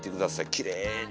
きれいに。